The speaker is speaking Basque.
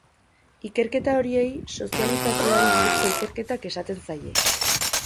Ikerketa horiei sozializazioari buruzko ikerketak esaten zaie.